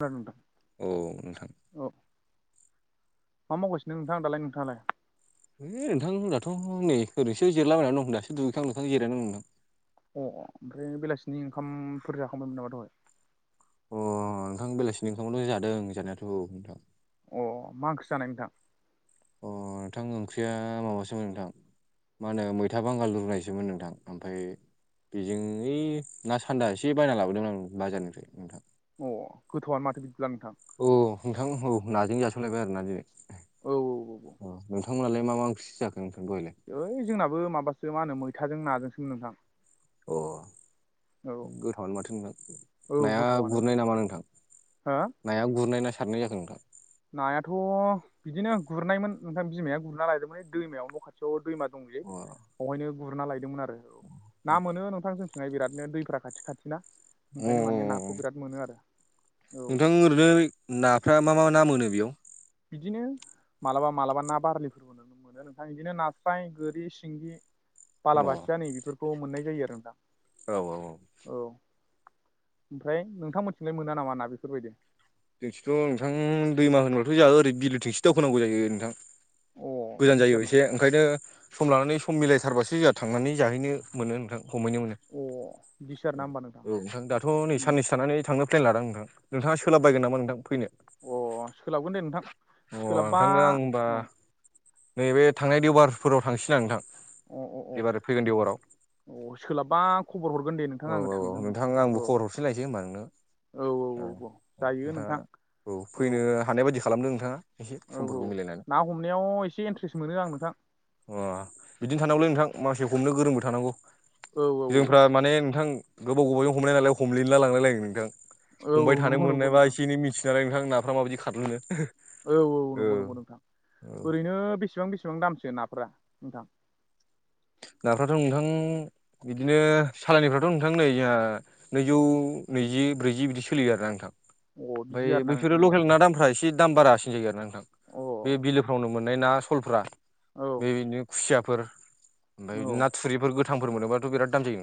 खोनादों नोंथां औ नोंथां [inaudible] औ [inaudible] मा मावगासिनो नोंथां दालाय नोंथाङालाय? है नोंथां दाथ' नै ओरैनोसो जिरलाबायना दं दासो दुगैखांं लोबखां नोंथांजों जिरायना दं नोंथां। अ ओमफ्राय बेलासिनि ओंखामफोर जाखांबायमोन नामा दहाय? अ नोंथां बेलासिनि ओंखामखौलाय जादों जानायाथ' नोंथां। अ मा ओंख्रि जानाय नोंथां? अ नोंथां ओंख्रिया माबासोमोन नोंथां। मा होनो मैथा बांगाल रुनायसोमोन नोंथां ओमफ्राय बेजों ओइ ना सान्दा एसे बायना लाबोदोंमोन आं बाजारनिफ्राय नोंथां। अ गोथावआनो माथो बिदिब्ला नोंथां। औ नोंथां औ नाजों जास'लायबाय आरोना दिनै। औ अ औ नोंथांमोनहालाय मा ओंख्रि जाखो नोंथां दहायलाय? ओइ जोंनाबो माबासो मा होनो मैथाजों नाजोंसोमोन नोंथां। अ औ गोथावानो माथो नोंथां औ नाया गोथावानो गुरनाय नामा नोंथां? हो नाया गुरनाय ना सारनाय जाखो नोंथां? नायाथ' बिदिनो गुरनायमोन नोंथां बिमाया गुरना लायदोंमोनलै दैमायाव नखाथि बाव दैमा दंदि अ बेहायनो गुरना लायदोंमोन आरो औ ना मोनो नोंथांजों थिंहाय बिरादनो दैफ्रा खाथि खाथिना ओंखायनो माने अ नाखौ बिराद मोनो आरो। औ नोंथां ओरैनो नाफ्रा मा मा ना मोनो बेयाव बिदिनो मालाबा मालाबा ना बारलिफोरबो मोनो नोंथां बिदिनो नास्राय, गोरि, सिंगि अ औ बालाबाथिया नै बेफोरखौ मोननाय जायो आरो नोंथां। औ औ औ। औ ओमफ्राय नोंथांमोनथिंलाय मोना नामा ना बेफोरबायदि? जोंथिंथ' नोंथां दैमा होनबाथाय जोंहा ओरै बिलोथिंसो दावखोनांगौ जायो नोंथां। अ गोजान बिदिसो जायो आरोना एसे। ओंखायनो सम लानानै सम मिलायथारबासो जोंहा थांनानै जाहैनो मोनो नोंथां हमहैनो मोनो। अ बिदिसो आरोना होमबा औ नोंथां दाथ' नै उम साननैसो थानानै थांनो प्लेन लादों नोंथां नोंथाङा सोलाबबायगोन नामा नोंथां फैनो? अ सोलाबगोन दे नोंथां अ सोलाबबा नोंथांनो आं होम्बा अ नैबे थांनाय देवबारफोराव थांसैना नोंथां अ अ अ एबार फैगोन देवबाराव। अ सोलाब्बा खबर हरगोन दे औ नोंथां आं औ थांगोन नोंथां आंबो औ। खबर हरफिनलायसै होमबा नोंनो औ औ औ औ जायो नोंथाङा नोंथां औ। फैनो हानाय बायदि खालामदो नोंथाङा। एसे औ औ समफोरखौ मिलायनानै ना हमनायाव एसे इन्ट्रेस्ट मोनो आं नोंथां। अ बिदिनो थानांगौलै नोंथां मानसि हमनो गोरोंबो थानांगौ। औ औ जोंफ्रा माने नोंथां गोबाव गोबावजों हमलनाय नालाय हमलिनला लांलायलायो नोंथां। औ नंगौ नंगौ नोंथां। नों मिथियो नालाय नोंथां नाफ्रा माबायदि खारलुनो औ औ नंगौ नंगौ नोंथां औ ओरैनो बेसेबां बेसेबां दामसो नाफोरा नोंथां? नाफ्राथ' नोंथां बिदिनो सालायनिफ्रा दाथ' नोंथां नै ओ नैजौ नैजि ब्रैजि बिदि सोलियो आरोना नोंथां। अ बिदि ओमफ्राय आरोना नोंथां बैफोरो होमबा लकेल ना दामफ्रा एसे दाम बारासिन जायो आरोना नोंथां अ औ बे बिलो फ्रावनो मोननाय ना सलफ्रा औ बे बिदिनो खुसियाफोर। औ ओमफ्राय नाथुरिफोर गोथांफोर मोनोबाथ' बिराद दाम जायो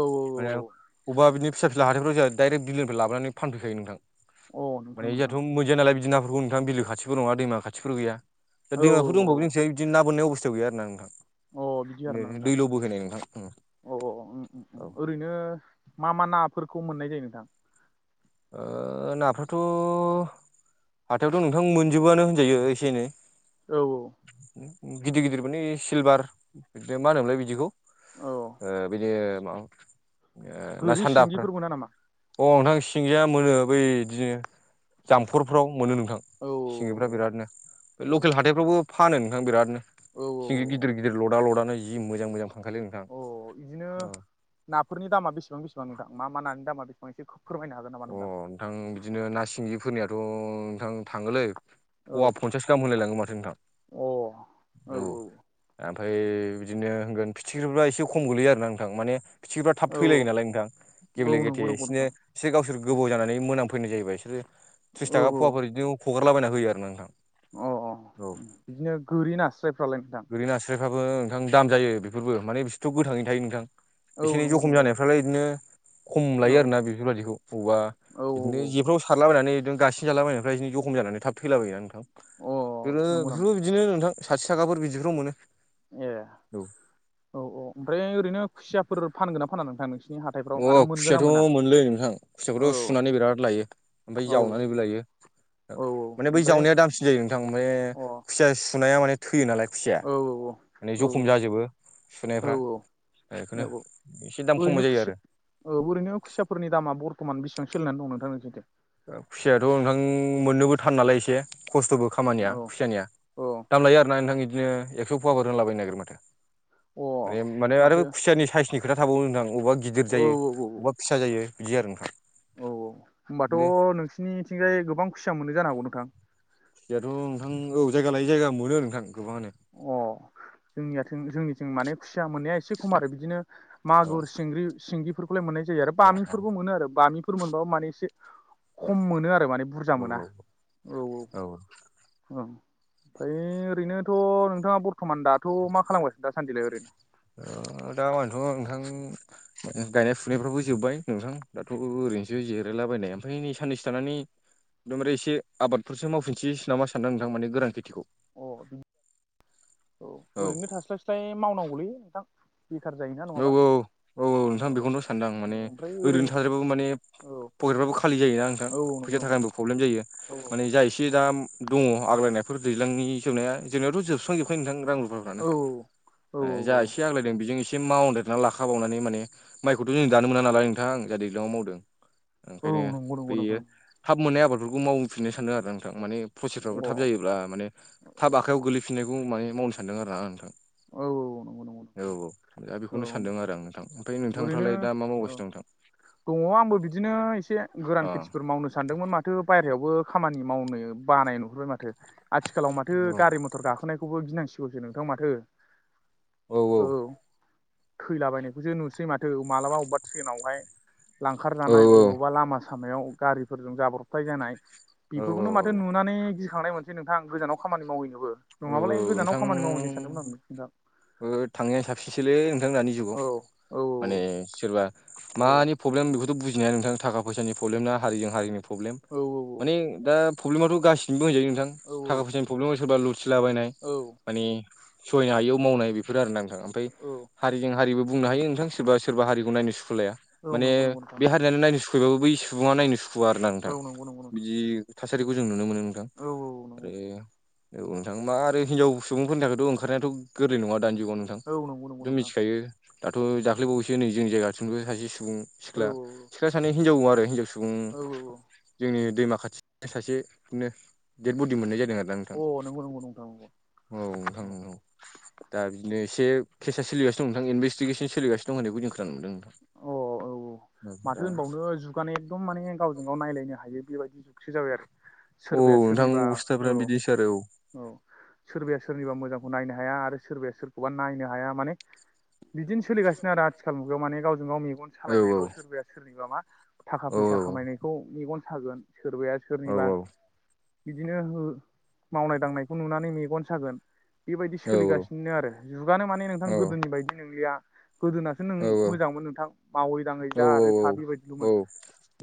औ माने अबा बिदिनो फिसा फिला हाथायफ्राव जोंहा डायरेक्ट बिलोनिफ्राय लाबोनानै फानफैयखायो नोंथां। औ अ नोंथां माने नोंथां जोंहाथ' मोनजाया नालाय बिदि नाफोरखौ नोंथां बिलो खाथिबो नङा दैमा खाथिफोर गैया। औ दा दैमा बेफोर दंबावो नोंसै बिदि नाोननाय अबस्थायाव गैया आरोना औ नोंथां दैल' बहैनाय नोंथां। अ अ उम उम‌ औ ओरैनो मा मा नाफोरखौ मोननाय जायो नोंथां? ओ नाफ्राथ' हाथायावथ' नोंथां मोनजोबोआनो होनजायो एसे एनै। औ औ गिदिर गिदिर माने सिलभार बिदिनो मा होनोमोनलाय बिदिखौ औ ओ बिदि माबा ना गोरि सान्दाफोर। सिंगिफोर मोना नामा अ नोंथां सिंगाया मोनो बै बिदिनो जामखरफ्राव मोनो नोंथां। औ सिंगिफ्रा बिरादनो औ लकेल हाथायफ्रावबो फानो नोंथां बिरादनो। औ औ सिं गिदिर गिदिर लदा लदानो जि मोजां मोजां फानखालै नोंथां अ इदिनो अ नाफोरनि दामा बेसेबां बेसेबां नोंथां मा मा नानि दामा बेसेबां एसे फोरमायनो हागोन। हागोन नामा नोंथां नोंथां बिदिनो ना सिंगिफोरनियाथ' नोंथां थाङोलै औ फवा फनसास गाहाम होनलाय लाङो नोंथां अ औ औ ओमफाय बिदिनो होनगोन फिथिख्रिफ्रा एसे खम गोलैयो आरो ना नोंथां माने फिथिख्रिफ्रा थाब औ थैलायो नालाय नोंथां औ गेबले नंगौ गेथे नंगौ नोंथां इसेनो एसोर गावसोर गोबाव जानानै मोनामफैनाय जायोबाय बिसोरो औ त्रिस थाखा औ फवाफोर बिदिनो हगारलाबायना होयो आरो ना नोंथां अ अ औ उम उम बिदिनो गोरि ना स्रायफ्रालाय नोंथां ओरै नास्रायफ्राबो नोंथां दाम जायो बेफोरबो माने बिथ' गोथाङै थायो नोंथां औ एसे एनै नंगौ जखम नंगौ जानायफ्रालाय बिदिनो खम औ लायो आरोना बेफोरबायाददिखौ औ बबावेबा बिदिनो जेफ्राव खारलाबायनानैनो गासिन जालाबायनाय ओफ्राय बिनो जखम जानानै थाब थैलाबाययो नोंथां औ फोर अ नंगौ नामा फोरदिनो बिदिनो नोंथां साथि थाखाफोर बिदिफ्राव मोनो ए औ औ ओमफ्राय ओरैनो खुसियाफोर फानगोन ना फाना नोंथां नोंस अ खुसियाथ' मोनलै नोंथां खुसियाखौथ' औ सुनानै बिराद लायो ओमफ्राय औ औ जावनानैबो लायो। औ माने बै ओमफ्राय जावनाया दामसिन जायो नोंथां माने अ खुसिया सुनाया माने थैयो नालाय औ खुसिया माने जखम औ जाजोबो औ सुनायफ्रा बेखौनो औ एसे दाम ओरैनो खमनाय जायो खुसिया आरो औ ओरैनो खुसियाफोरनि दामा बर्थमान बेसिबां सोलिनानै दं नोंथां जुदि खुसिायाथ' नोंथां मोननोबो थार नालाय एसे खस्थ'बो खामानिया औ खुसियानिया औ दाम लायो आरोना नोंथां इदिनो एक्स' पवाफोरार होनलाबायनो नागिरो माथो अ माने माने आरो माथो खुसियानि साइसनि खोथा थाबावो नोंथां अबा गिदिर औ औ जायो औ औ बबेबा फिसा जायो बिदि आरो नोंथां औ औ दे होनोमबाथ' नोंसिरनिथिंजाय गोबां खुसिया मोनो जानो हागौ नोंथां खिसियाथ' नोंथां औ जायगा लायै जायगा मोनो नोंथां गोबाङानो अ जोंनियाथों जोंनिथिं माने खुसिया मोननाया एसे खम आरो बिदिनो औ मागुर सिंग्रि सिंगिफोरखौलाय मोननाय जायो आरो औ बामिफोरबो मोनो आरो बामि फोर मोनबाबो माने एसे खम मोनो आरो माने बुरजा मोना औ औ औ ओमफ्राय ओरैनोथ' नोंथाङा बर्थ'मान दाथ' मा खालामगासिनो दासान्दिलाय ओरैनो ओ दा मानोथ' नोंथां गायनाय फुनायफ्रावबो जोब्बाय नोंथां दाथ' ओरैनोसो जिरायलाबायनाय ओमफ्राय नै साननैसो थानानै आमबफ्राय एसेबादफोरसो मावफिनसैस नामा सानदों नोंथां मान गोरान खेथिखौ अ औ ओरैनो थास्लायस्लाय मावनांगौलै नोंथां बेखार जायोना औ नङाबा औ औ नोंथां औ बेखौनो सानदां औ माने ओमफ्राय ओरै ओरैनो थाज्रायबाबो माने औ पकेटफ्राबो खालि जायोना नोंथां औ नंगौ फैसा नंगौ थाखानिबो प्रब्लेम जायो औ माने जाय एसे दा दङ आग्लायनायफोर दैज्लांनि जोबनाया जोंनियावथ' जोबस्रांजोबखायो नोंथां रां रुफाफ्रानो औ औ ओ जा औ एसे आग्लायदों बेजों एसे मावदेरना लाखाबावनानै माने माइखौथ जों दानो मोना नालाय नोंथां जाहा दैज्लाङाव मावदों औ ओंखायनो नंगौ नंगौ नोंथां बेयो थाब मोननाय आबादफोरखौ मावफिननो सानो आरो ना नोंथां माने अ फसेसफ्राबो थाब जायोब्ला माने थाब आखायावयाव गोलैफिननायखौ माने मावनो सानदों आरो ना आं नोंथां औ नंगौ नंगौ नोंथां औ औ दा बेखौनो सानदों आरो आं नोंथां ओमफ्राय ओरैनो नोंथांफ्रालाय दा मा औ मावगासिनो दं नोंथां दङ आंबो बिदिनो एसे गोरान अ खेथिफोर मावनो सानदोंमोन माथो बायहेरायावबो खामानि मावनो बानाय नुहुरबाय माथो आथिखालाव माथो औ गारि मथर गाखोनायखौबो गिनांसिगौसो नोंथां माथो औ थैलाबायनायखौसो नुसै माथो मालाबा अबेबा ट्रेनावहाय औ लांखारजानाय अबावबा लामा सामायाव गारिफोरजों जाब्रबथाय जानाय औ बिफोरखौनो औ माथो नुनानै गिखांनाय मोनसै नोंथां गोजानाव खामानि मावहैनोबो औ नङाबालाय गोजानाव नोंथां खामानि मावहैनो सानदोंमोन आंबो ओ थाङियानो साबसिनसोलै नोंथां दानि औ जुगाव औ माने सोरबा औ मानिफ फब्लेम बेखौथ बुजिनाया नोंथां थाखा फैसानि फब्लेम ना हारिजों हारिनि फब्लेम औ माने दा फब्लेमाथ गासिनोबो होनजायो नोंथां औ थाखा फैसानि फब्लेमाव सोरबा लुथिलाबायनाय औ माने सहायनो हायियाव मावनाय बिफोर आरो ना नोंथां प्राय औ हारिजों हारिबो बुंनो हायो नोंथां सोरबा सोरबा हारिखौ नायनो सुखुलाया औ माने नंगौ नंगौ नोंथां बे हारियानो नायनो सुख फैबाबो बै सुबुङा नायनो सुखुवा आरोना औ नोंथां नंगौ नंगौ नोंथां बिदि थासारिखौ जों नुनो मोनो नोंथां औ औ नंगौ आरो औ नोंथां मा आरो हिनजाव सुबुंफोरनि थाखायथ' ओंखारनायाथ' गोरलै नङा दानि जुगाव थां औ नंगौ नंगौ दो नोंथां मिथिखायो दाथ दाख्लैबावैसो नै जोंनि जायगाथिंबो सासे सुबुं औ सिख्ला सिख्ला सानै हिजाव आरो हिनजाव सुबुं औ जोंनि दैमा खाथि सासे बिदिनो देद बडि मोननाय जादों आरोना औ नोंथां अ नंगौ नंगौ नोंथां नंगौ औ नोंथां नोंगौ दा बिदिनो एसे केसा सोलिगानो दं नोंथां इनभेस्टिगेसन सोलिगासिनो होननायखौ जों खोनानो मोन्दों अ औ औ माथो होनबावनो जुग माने एकदम माने गावजों गाव नायलायनो हायो बेबायदि जुगसो जाबाय आरो औ सोरबाया नोंथां सोरनिबा अबस्थाफ्रा औ बिदिसो आरो औ सोरबाया सोरनिबा मोजांखौ नायनो हाया आरो सोरबाया सोरखौबा नायनो हाया माने बिदिनो सोलिगासिनो आरो आथिखाल मुगायाव माने गावजों गाव मेगन सालायनायल सोरबाया सोरनिबा मा थाखा औ फैसा खामायनायखौ मेगन सागोन सोरबाया औ सोरनिबा बिदिनो हो मावनाय दांनायखौ नुनानै मेगन सागोन बेबायदि औ सोलिगासिनो आरो जुगानो माने नोंथां औ गोदोनि बायदि नोंलिया गोदोना [unintelligible] औ मोजांमोन नोंथां मावै दाङै जा आरो था औ बेबायदिलमोन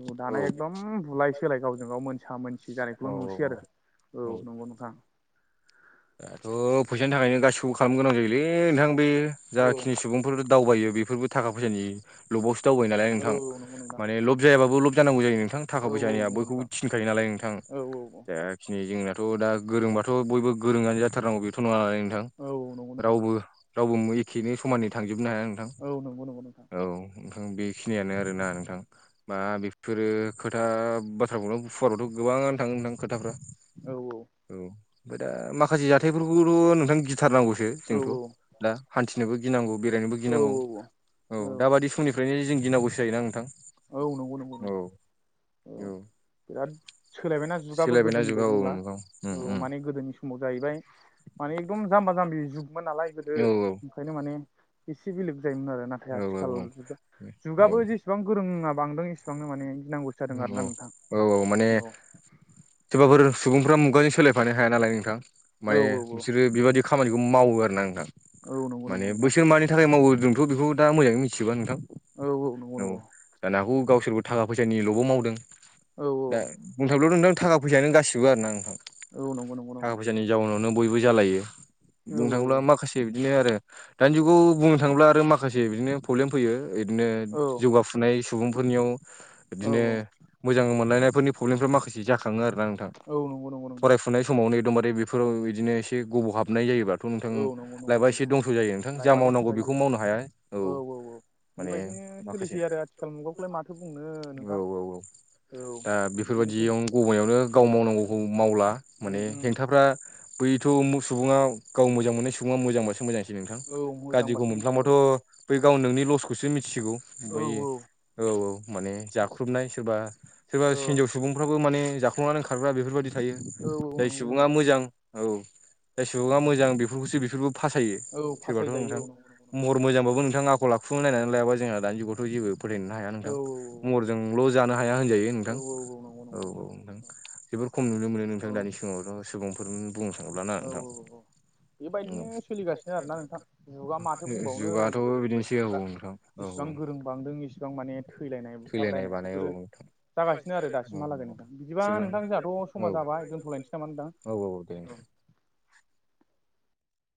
औ दाना एकदम बुलाय सोलाय गावजों गाव मोनसा मोनसि औ औ जानायखौल नुसै आरो औ नोंगौ नोंथां दाथ फैसानि थाखायनो गासिबो खालामनो गोनां जायोलै नोंथां बे औ जाखिनि सुबुं फोर दावबायो बेफोरबो थाखा फैसानि लबावसो दावबायायो नालाय औ नोंथां औ नंगौ नोंथां माने लब जायाबाबो लब जानांगौ जायो नोंथां थाखा औ औ फैसानिया नंगौ बयखौबो नोंथां थिनखायो नालाय नोंथां औ औ औ एक दिनै जोंनाथ दा गोरोंबाथ बयबो गोरोंङानो जाथारनांगौ बेथ नङा नालाय नोंथां औ औ नंगौ नोंथां रावबो रावबो मोएखेनो समानै थांजोबनो हाया नोंथां औ नंगौ नंगौ नोंथां औ नोंथां बेखिनियानो आरोना नोंथां मा बेफोरो खोथा बाथ्राखौनो फुवारावथ गोबां थाङो नोथां खोथाफ्रा औ औ औ ओमफाय दा माखासे जाथायफोरखौथ नोंथां गिथारनांगौसो औ जोंथ दा हान्थिनोबो गिनांगौ बेरायनोबो गिनांगौ औ औ दाबादि समनिफ्रायनो जों गिनांगौसो जायोना नोंथां औ नंगौ नंगौ औ नोंथां औ बिराद सोलायबायना जुगाबो सोलायबायना गोदोनि जुगा बायदि औ नंला नंगौ औ उम उम माने गोदोनि सम समाव जाहैबाय माने एकदम जाम्बा जाम्बि जुगमोन नालाय गोदो औ खायनो माने एसे बेलेक जायोमोन आरो नाथाय औ आथिखाल जुगाबो जेसेबां फोरोङा बांदों एसेबांनो माने गिनांगौसो जादों औ आरोना नोंथां औ माने औ सोरबाफोर सुबुंफ्रा मुगाजों सोलायफानो हाया नालाय नोंथां औ माने औ बिसोरो बेबायदि खामानिखौ मावो आरोना नोंथां औ नंगौ नंगौ माने नोंथां बैसोर मानि थाखाय मावो जोथ' बेखौ दा मोजाङै मिथिबाङा नोंथां औ औ नंगौ नंगौ दानाखौ गावसोरबो थाखा फैसानिल'बो मावदों औ औ बुंथांब्ला नोंथां थाखाैायानो गासिबो आरो ना नोंथां औ नंगौ नंगौ थाखा नोंथां फैसानि जाउनावनो बयबो जालायो औ बुंनो थाङोब्ला माखासे बिदिनो आरो दानि जुगाव बुंनो थाङोब्ला आरो माखासे बिदिनो प्रब्लेम फैयो ओरैनो औ जौगा फुनाय सुबुंफोरनियाव बिदिनो मोजां मोनलायनायफोरनि प्रब्लेमफ्रा माखासे जाखाङो आरोोना आं नंगौ नंगौ नोंथां फरायफुनाय समावनो एदमबारे बेफोराव बिदिनो एसे गबाव हाबनाय जायोबाथ' नोंथां औ नंगौ नंगौ लइबा एसे नोंथां दंस' जायो नोंथां जा लाइफआ दंस' मावनांगौ बेखौ जायो मावनो हाया औ औ माने बेबायदिनो माखासे सोलिसै आरो आथिखाल मुगाखौलाय माथो बुंनो औ नोंथां औ औ औ दा बिदिनोसै बेफोरबायदियाव गबयावनो गाव मावनांगौखौ मावला उम माने उम हेंथाफ्रा बैथ' सुबुङा गाव मोजां मोननाय सुबुङा मोजांबासो मोजांसै नोंथां औ मोजां गाज्रिखौ बारस'नोसै औ मोनफ्लांबाथ' बै गाव नोंनि लसखौसो मिथिसिगौ औ ओमफफ्राय औ औ माने जाख्रुबनाय सोरबा सोरबा औ हिनजाव सुबुंफ्राबो माने जाखांनानै खारग्रा बेफोरबायदि थायो औ औ जाय नंगौ सुबुङा नंगौ मोजां औ जाय सुबुङा मोजां बेफोरखौसो बेफोरबो फासायो औ सोरबाथ' फासायजायो नोंथां औ नंगौ नंगौ नोंथां महर मोजांबाबो नोंथां आखल लाखु नायनानै लायाबा जोंहा दानि जुगावथ' जेबो फोथायनो हाया औ नोंथां महरजोंल' जानो हाया होनजायो औ नोंथां औ नंगौ नंगौ औ औ नोंथां जोबोर खम नुनो मोनो औ नोंथां दानि सिगाङावथ' सुबुंफोर बुंनो थाङोब्ला ना औ नोंथां औ बेबायदिनो सोलिगासिनो आरोना नोंथां जुगा माथो बुंबावनो जुगाथ' गोदोनि बायदि बिदिनोसै औ नोंला नोंथां औ औ जसेबां गोरों बांदों इसिबां माने थैलायनाय थैलायनाय बुथारलायनाय बानाय औ बेफोरो नोंथां जागासिनो आरो दासिमहालागै औ नोंथां बिदिबा सुबुं नोंथां जोंहाथ' औ समा जाबाय दोनथ'लायनोसै नामा औ औ दे होनदां